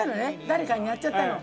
誰かにやっちゃったの。